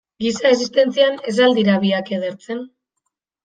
Giza existentzian, ez al dira biak edertzen?